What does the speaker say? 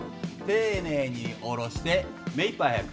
丁寧に下ろして目いっぱい速く。